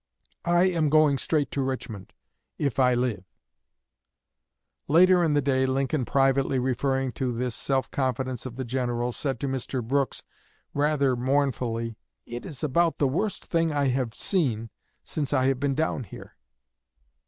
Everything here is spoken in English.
I am going straight to Richmond, if I live!" Later in the day, Lincoln, privately referring to this self confidence of the General, said to Mr. Brooks, rather mournfully, "It is about the worst thing I have seen since I have been down here."